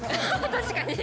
確かに！